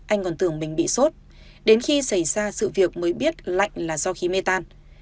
anh còn tưởng mình bị sốt đến khi xảy ra sự việc mới biết lạnh là do khí mê tan